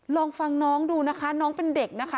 ลองฟังน้องดูนะคะน้องเป็นเด็กนะคะ